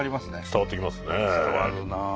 伝わるなあ。